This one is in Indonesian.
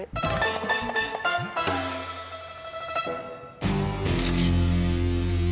maksudnya gak sampe